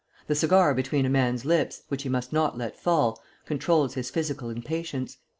The cigar between a man's lips, which he must not let fall, controls his physical impatience.